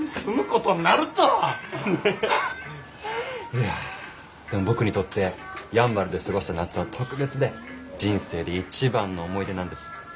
いやでも僕にとってやんばるで過ごした夏は特別で人生で一番の思い出なんです。